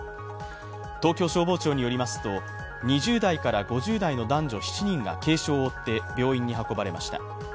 東京消防庁によりますと、２０代から５０代の男女７人が軽傷を負って病院に運ばれました。